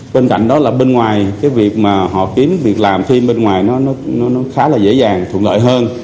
bên cạnh đó là bên ngoài cái việc mà họ kiếm việc làm phim bên ngoài nó khá là dễ dàng thuận lợi hơn